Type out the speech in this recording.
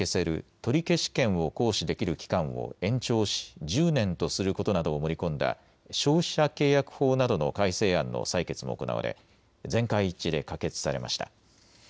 取消権を行使できる期間を延長し１０年とすることなどを盛り込んだ消費者契約法などの改正案の採決も行われ全会一致で可決されました。